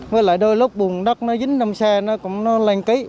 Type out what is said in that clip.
với lại đôi lúc bùn đất nó dính trong xe nó cũng lanh ký